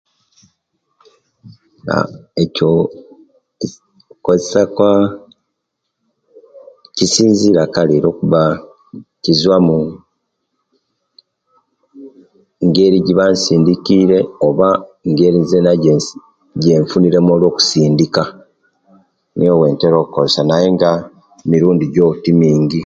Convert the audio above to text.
Aah ekyo kkisi okozesya kwa kisinzirira kale olwokuba kiva mu ngeri ejebansindikire oba engeri zena ejenfuniremu olwokusindikka niwo owentera okozesya naye nga emirundi jo timingi